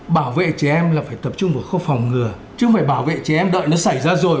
bảo vệ trẻ em là phải tập trung vào khâu phòng ngừa chứ không phải bảo vệ trẻ em đợi nó xảy ra rồi